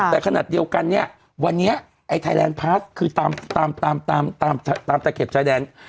แต่ขนาดเดียวกันเนี่ยวันนี้ไอ้ไทยแลนดพลาสคือตามตะเข็บชายแดน